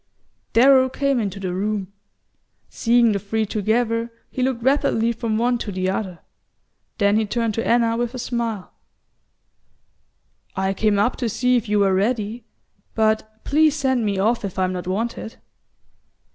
Darrow came into the room. Seeing the three together, he looked rapidly from one to the other; then he turned to Anna with a smile. "I came up to see if you were ready; but please send me off if I'm not wanted."